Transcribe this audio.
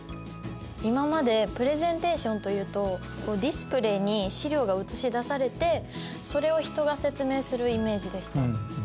今までプレゼンテーションというとディスプレーに資料が映し出されてそれを人が説明するイメージでした。